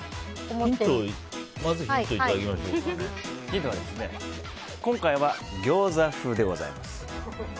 ヒントは今回はギョーザ風でございます。